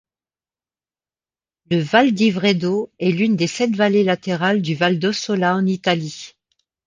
Le val Divedro est l'une des sept vallées latérales du val d'Ossola en Italie.